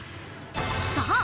さあ